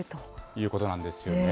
いうことなんですよね。